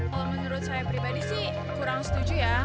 kalau menurut saya pribadi sih kurang setuju ya